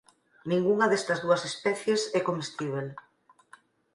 Ningunha destas dúas especies é comestíbel.